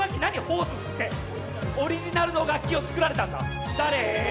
ホース吸ってオリジナルの楽器を作られたんだ誰？